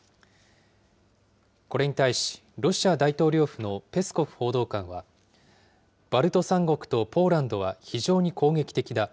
これに対し、ロシア大統領府のペスコフ報道官は、バルト三国とポーランドは非常に攻撃的だ。